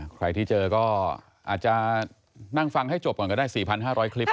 ใครที่เจอก็อาจจะนั่งฟังให้จบก่อนก็ได้๔๕๐๐คลิป